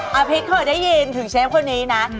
เพชรเคยได้ยินถึงเชฟคนนี้นะ